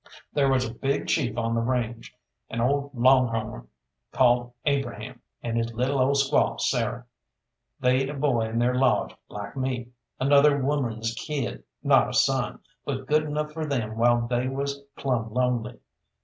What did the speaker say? "There was a big chief on the range, an old long horn called Abraham, and his lil' ole squaw Sarah. They'd a boy in their lodge like me, another woman's kid, not a son, but good enough for them while they was plumb lonely.